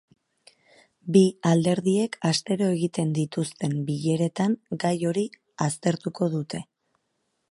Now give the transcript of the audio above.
Bi alderdiek astero egiten dituzten bileretan gai hori aztertuko dute.